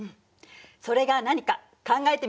それが何か考えてみましょうか。